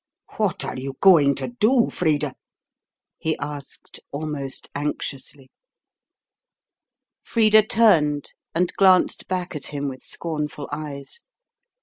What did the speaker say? "What are you going to do, Frida?" he asked, almost anxiously. Frida turned and glanced back at him with scornful eyes.